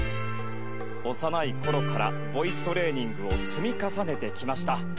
幼い頃からボイストレーニングを積み重ねてきました。